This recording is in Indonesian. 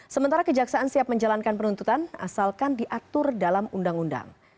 sementara kejaksaan siap menjalankan penuntutan asalkan diatur dalam undang undang